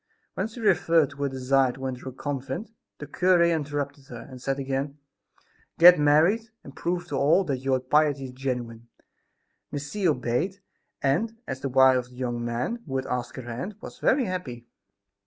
When she referred to her desire to enter a convent, the cure interrupted her, and said again: "Get married, and prove to all that your piety is genuine." Miss C. obeyed and, as the wife of the young man who had asked her hand, was very happy.